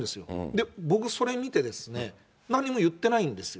で、僕、それ見てですね、何も言ってないんですよ。